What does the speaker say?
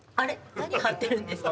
何貼ってるんですか？